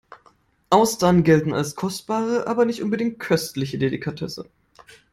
Austern gelten als kostbare aber nicht unbedingt köstliche Delikatesse.